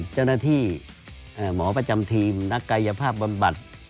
เจ้าหน้าที่หมอประจำทีมนักกายภาพบำบัด